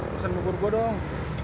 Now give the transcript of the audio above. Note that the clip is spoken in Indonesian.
pesan bukur gue dong